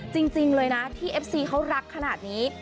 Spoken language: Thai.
จริงเลยนะที่เอฟซีเขารักขนาดนี้